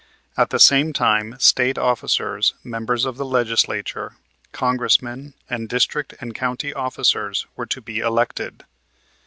At the same time State officers, members of the Legislature, Congressmen, and district and county officers were to be elected.